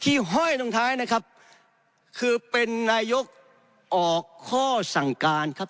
ห้อยลงท้ายนะครับคือเป็นนายกออกข้อสั่งการครับ